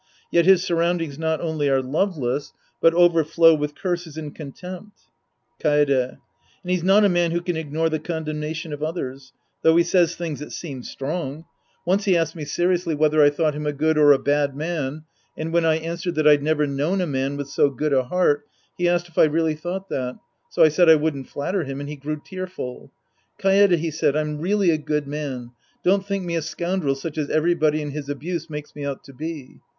Yet his sur roundings not only are loveless but overflow with curses and contempt. Kaede. And he's not a man who can ignore the condemnation of others. Though he says things that seem strong. Once he asked me seriously Sc. I The Priest and His Disciples 175 whether I thought him a good or a bad man, and when I answered that I'd never known a man with so good a heart, he asked if I really thought that ; so I said I wouldn't flatter him and he grew tearful. " Kaede," he said, " I'm really a good man ; don't think me a scoundrel such as everybody in his abuse makes me out to be."